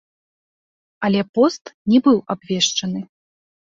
Але пост не быў абвешчаны.